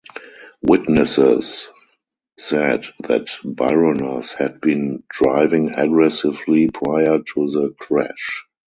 Witnesses said that Bironas had been driving aggressively prior to the crash.